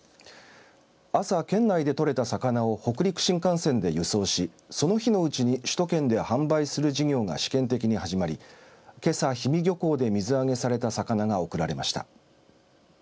朝、県内で取れた魚を北陸新幹線で輸送しその日のうちに首都圏で販売する事業が試験的に始まりけさ、氷見漁港で水揚げされた魚が送られました。